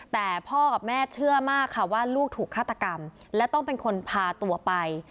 แต่พ่อกับแม่เชื่อมากค่ะว่าลูกถูกฆาตกรรมและต้องเป็นคนพาตัวไป